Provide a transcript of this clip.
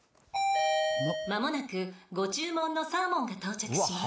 間もなくご注文のサーモンが到着します。